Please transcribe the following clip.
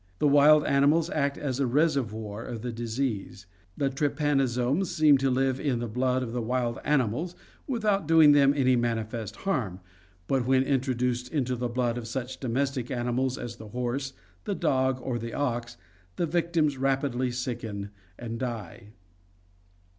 The wild animals act as a reservoir of the disease. The trypanosome seems to live in the blood of the wild animals without doing them any manifest harm, but when introduced into the blood of such domestic animals as the horse, the dog, or the ox, the victims rapidly sicken and die.